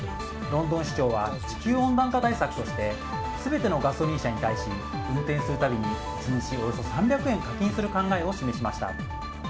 ロンドン市長は地球温暖化対策として全てのガソリン車に対し運転する度に１日およそ３００円課金する考えを示しました。